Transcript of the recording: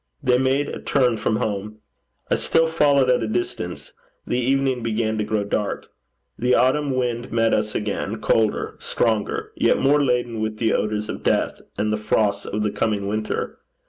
They made a turn from home. I still followed at a distance. The evening began to grow dark. The autumn wind met us again, colder, stronger, yet more laden with the odours of death and the frosts of the coming winter.